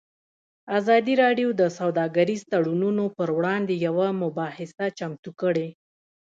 ازادي راډیو د سوداګریز تړونونه پر وړاندې یوه مباحثه چمتو کړې.